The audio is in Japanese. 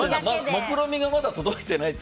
もくろみがまだ届いていないと。